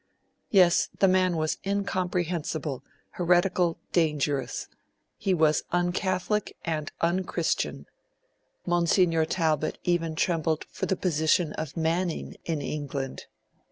Yes, the man was incomprehensible, heretical, dangerous; he was "uncatholic and unchristian."' Monsignor Talbot even trembled for the position of Manning in England.